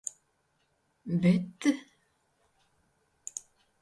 Bet...